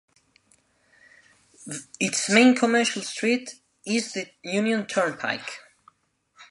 Its main commercial street is the Union Turnpike.